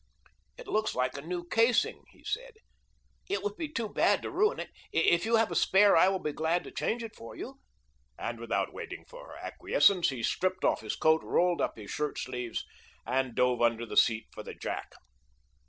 "It looks like a new casing," he said. "It would be too bad to ruin it. If you have a spare I will be very glad to change it for you," and without waiting for her acquiescence he stripped off his coat, rolled up his shirt sleeves, and dove under the seat for the jack.